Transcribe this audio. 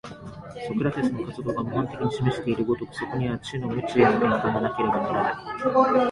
ソクラテスの活動が模範的に示している如く、そこには知の無知への転換がなければならぬ。